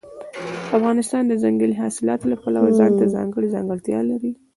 افغانستان د ځنګلي حاصلاتو له پلوه ځانته ځانګړې ځانګړتیاوې لري.